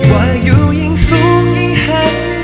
ว่าอยู่ยิ่งสูงยิ่งหัก